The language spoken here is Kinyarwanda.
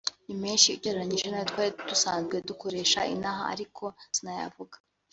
ni menshi ugereranyije n’ayo twari dusanzwe dukoresha inaha ariko sinayavuga